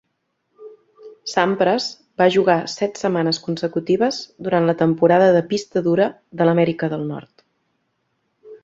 Sampras va jugar set setmanes consecutives durant la temporada de pista dura de l'Amèrica del Nord.